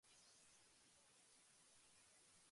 群馬県川場村